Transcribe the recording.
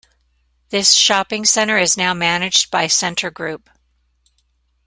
This shopping centre is now managed by Scentre Group.